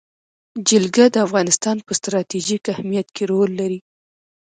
جلګه د افغانستان په ستراتیژیک اهمیت کې رول لري.